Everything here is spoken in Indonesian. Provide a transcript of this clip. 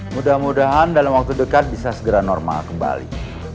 mudah mudahan dalam waktu dekat bisa segera normal kembali